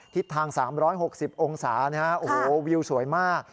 ทิศทาง๓๖๐องศานะฮะโอ้โหวิวสวยมาก